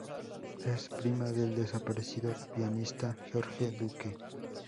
Es prima del desaparecido pianista George Duke.